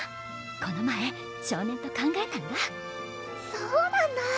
この前少年と考えたんだそうなんだ！